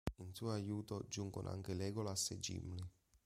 In suo aiuto giungono anche Legolas e Gimli.